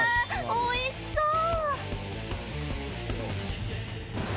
おいしそう！